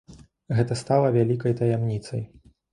Гэта стала вялікай таямніцай.